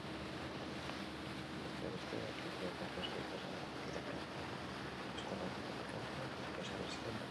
Besteak beste, erlijioa eta ordezko irakasgaia eskola orduetatik kanpo ezarri ziren batxilergoan.